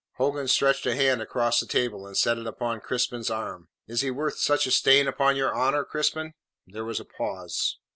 Hogan stretched a hand across the table, and set it upon Crispin's arm. "Is he worth such a stain upon your honour, Crispin?" There was a pause.